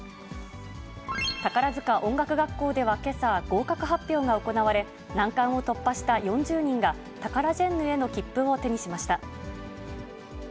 宝塚音楽学校ではけさ、合格発表が行われ、難関を突破した４０人が、タカラジェンヌへの切符を手にしました。